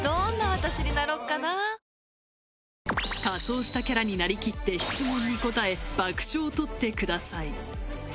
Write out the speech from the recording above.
仮装したキャラになりきって質問に答え爆笑をとってください。